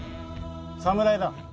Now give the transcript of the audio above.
侍だ。